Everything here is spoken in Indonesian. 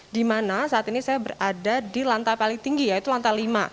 di mana saat ini saya berada di lantai paling tinggi yaitu lantai lima